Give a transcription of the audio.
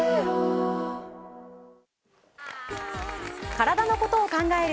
体のことを考える